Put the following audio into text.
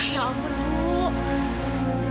ya ampun bu